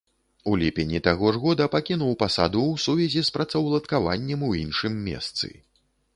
У ліпені таго ж года пакінуў пасаду ў сувязі з працаўладкаваннем у іншым месцы.